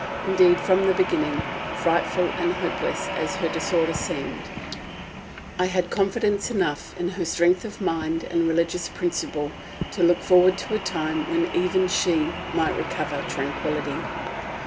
Indeed from the beginning, frightful and hopeless as her disorder seemed, I had confidence enough in her strength of mind and religious principle to look forward to a time when even she might recover tranquillity.